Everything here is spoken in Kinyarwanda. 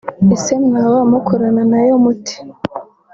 ese mwaba mukorana nayo mute